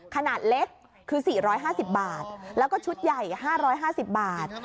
ขนาดเล็กคือ๔๕๐บาทแล้วก็ชุดใหญ่๕๕๐บาท